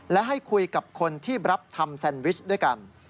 และให้คุยกับคนที่รับทำแซนวิชด้วยกัน